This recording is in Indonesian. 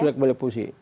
sudah kembali pulih